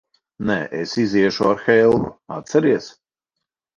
Nē. Iziešu ar Helgu, atceries?